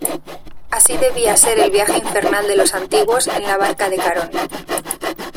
así debía ser el viaje infernal de los antiguos en la barca de Carón: